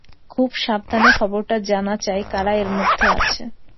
খুব সাবধানে খবরটা জানা চাই কারা এর মধ্যে আছে।